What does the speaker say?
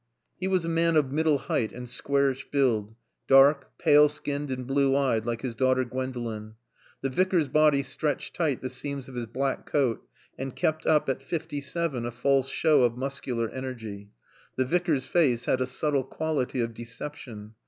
He was a man of middle height and squarish build, dark, pale skinned and blue eyed like his daughter Gwendolen. The Vicar's body stretched tight the seams of his black coat and kept up, at fifty seven, a false show of muscular energy. The Vicar's face had a subtle quality of deception.